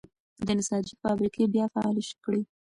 د نساجۍ فابریکې بیا فعالې کړئ.